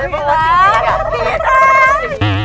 พี่แทนพี่แทน